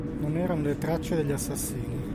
Non erano le tracce degli assassini